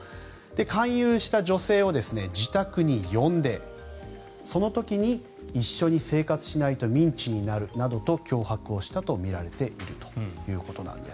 勧誘した女性を自宅に呼んでその時に、一緒に生活しないとミンチになるなどと脅迫をしたとみられているということなんです。